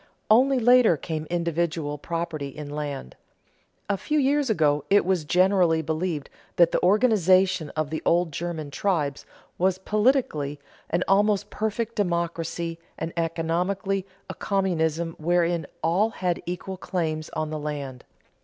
Only later came individual property in land. A few years ago it was generally believed that the organization of the old German tribes was politically an almost perfect democracy, and economically a communism wherein all had equal claims on the land.